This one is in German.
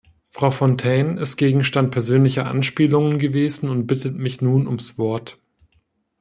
Frau Fontaine ist Gegenstand persönlicher Anspielungen gewesen und bittet mich nun ums Wort.